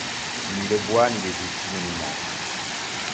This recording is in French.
Ni le bois, ni les outils ne nous manquent.